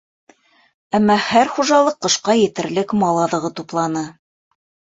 Әммә һәр хужалыҡ ҡышҡа етерлек мал аҙығы тупланы.